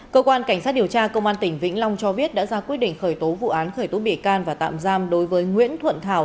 cơ quan cảnh sát điều tra công an tỉnh vĩnh long cho biết đã ra quyết định khởi tố vụ án khởi tố bị can và tạm giam đối với nguyễn thuận thảo